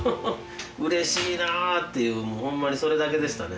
嬉しいなっていうホンマにそれだけでしたね。